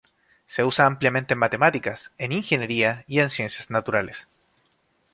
Se usa ampliamente en matemáticas, en ingeniería y en ciencias naturales.